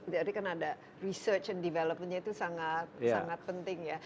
jadi kan ada research and developmentnya itu sangat sangat penting ya